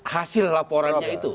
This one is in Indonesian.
hasil laporannya itu